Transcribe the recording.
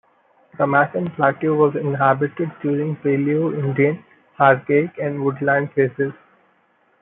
The Macon plateau was inhabited during the Paleoindian, Archaic, and Woodland phases.